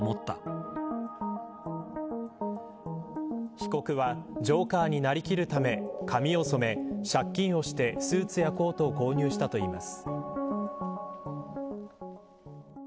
被告はジョーカーになりきるため髪を染め、借金をしてスーツやコートを購入したといいます。